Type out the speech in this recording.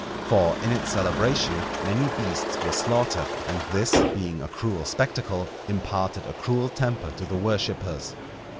For in its celebration many beasts were slaughtered, and this being a cruel spectacle imparted a cruel temper to the worshippers.